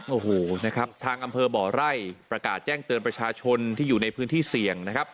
โอ้โหนะครับทางอำเภอบ่อไร่ประกาศแจ้งเตือนประชาชนที่อยู่ในพื้นที่เสี่ยงนะครับ